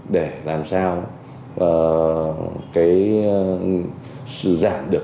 cái sự giảm được